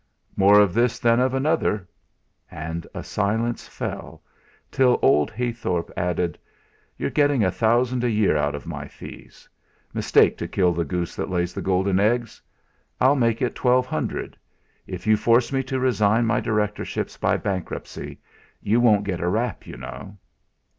"More of this than of another." And a silence fell, till old Heythorp added: "You're getting a thousand a year out of my fees. Mistake to kill the goose that lays the golden eggs. I'll make it twelve hundred. If you force me to resign my directorships by bankruptcy, you won't get a rap, you know."